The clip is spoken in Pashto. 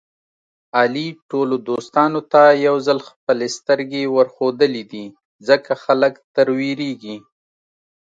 علي ټولو دوستانو ته یوځل خپلې سترګې ورښودلې دي. ځکه خلک تر وېرېږي.